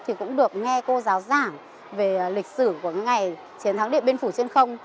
thì cũng được nghe cô giáo giảng về lịch sử của ngày chiến thắng điện biên phủ trên không